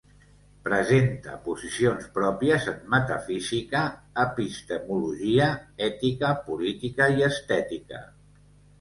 Presenta posicions pròpies en metafísica, epistemologia, ètica, política i estètica.